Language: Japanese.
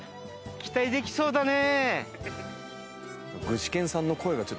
期待できそうだね。